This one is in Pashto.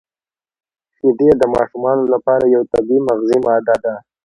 • شیدې د ماشومانو لپاره یو طبیعي مغذي ماده ده.